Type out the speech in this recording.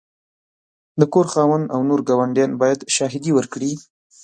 د کور خاوند او نور ګاونډیان باید شاهدي ورکړي.